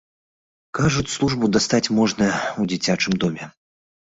Кажуць, службу дастаць можна ў дзіцячым доме.